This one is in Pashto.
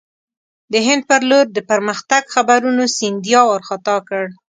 د هند پر لور د پرمختګ خبرونو سیندیا وارخطا کړ.